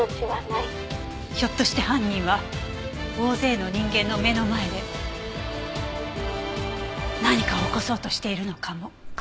ひょっとして犯人は大勢の人間の目の前で何かを起こそうとしているのかも。